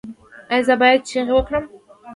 ایا زه باید چیغې وکړم؟